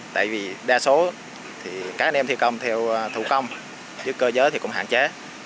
tại vì đa số các anh em thi công theo thủ công chứ cơ giới cũng hạn chế